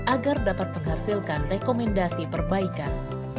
agar dapat menghasilkan rekomendasi perbaikan